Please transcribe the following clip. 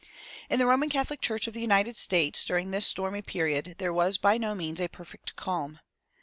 In the Roman Catholic Church of the United States, during this stormy period, there was by no means a perfect calm.